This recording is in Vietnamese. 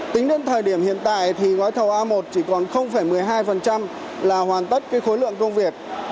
tính đến thời điểm hiện tại thì gói thầu a một chỉ còn một mươi hai là hoàn tất khối lượng công việc